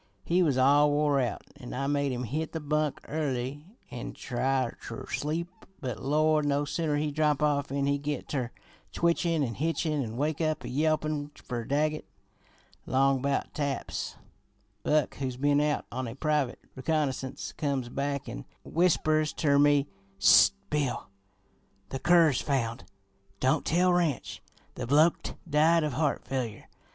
He was all wore out, an' I made him hit the bunk early an' try ter sleep; but, Lord! No sooner he'd drop off 'n he git ter twitchin' an' hitchin' an' wake up a yelpin' fer Daggett. Long about taps, Buck, who's been out on a private reconnoissance, comes back an' whispers ter me: 'Ssst, Bill! The cur's found! Don't tell Ranch; the bloke'd die of heart failure.